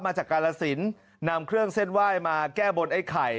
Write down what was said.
จากกาลสินนำเครื่องเส้นไหว้มาแก้บนไอ้ไข่